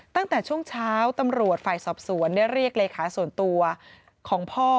ตั้งแต่ช่วงเช้าตำรวจฝ่ายสอบสวนได้เรียกเลขาส่วนตัวของพ่อ